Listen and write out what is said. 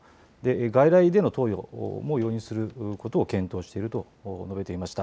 外来での投与も容認することを検討していると述べていました。